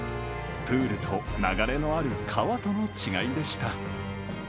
プールと流れのある川との違いでした。